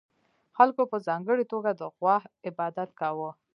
خلکو په ځانګړې توګه د غوا عبادت کاوه